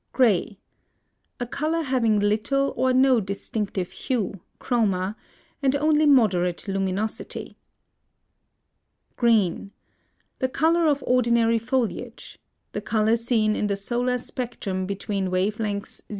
GRAY. A color having little or no distinctive hue (CHROMA) and only moderate luminosity. GREEN. The color of ordinary foliage; the color seen in the solar spectrum between wave lengths 0.